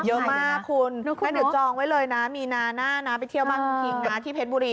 ประโยชน์เยอะมากคุณให้หนึ่งจองไว้เลยนะมีนานานาไปเที่ยวบ้างทีนะที่เพชรบุรี